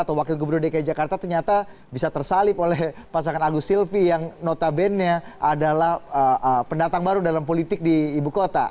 atau wakil gubernur dki jakarta ternyata bisa tersalip oleh pasangan agus silvi yang notabene adalah pendatang baru dalam politik di ibu kota